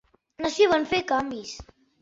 No s'hi van fer canvis.